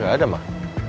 udah gak ada mah